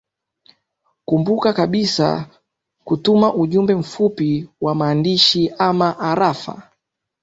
kumbuka basi kutuma ujumbe mfupi wa maandishi ama arafa